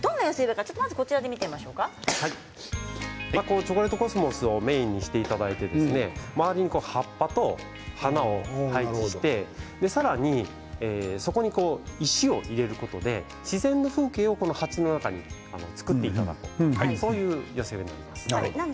こちらはチョコレートコスモスをメインにしていただいて周りに葉っぱと花を配置してさらに、そこに石を入れることで自然の風景を鉢の中に作っていただくそういう寄せ植えです。